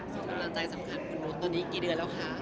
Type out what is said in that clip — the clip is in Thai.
ส่วนกำลังใจสำคัญคุณนุษย์ตอนนี้กี่เดือนแล้วคะ